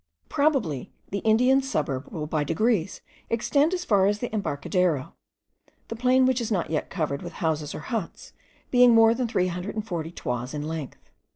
Probably the Indian suburb will by degrees extend as far as the Embarcadero; the plain, which is not yet covered with houses or huts, being more than 340 toises in length.